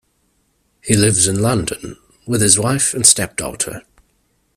He lives in London with his wife and stepdaughter.